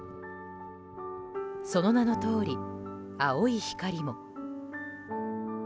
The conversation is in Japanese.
その名のとおり、青い光も。